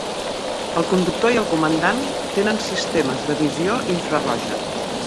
El conductor i el comandant tenen sistemes de visió infraroja.